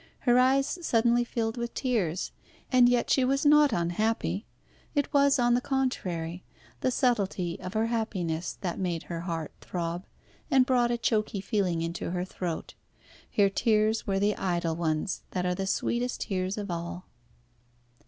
Her eyes suddenly filled with tears, and yet she was not unhappy. It was, on the contrary, the subtlety of her happiness that made her heart throb, and brought a choky feeling into her throat. Her tears were the idle ones, that are the sweetest tears of all.